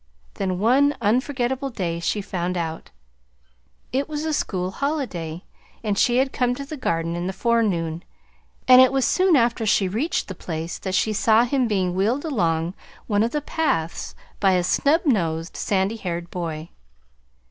Then, one unforgettable day, she found out. It was a school holiday, and she had come to the Garden in the forenoon; and it was soon after she reached the place that she saw him being wheeled along one of the paths by a snub nosed, sandy haired boy.